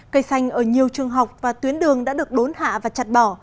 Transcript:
cây xanh ở nhiều trường học và tuyến đường đã được đốn hạ và chặt bỏ